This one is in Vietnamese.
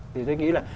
thì tôi nghĩ là